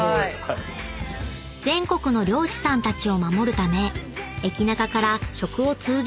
［全国の漁師さんたちを守るため駅ナカから食を通じて発信していく］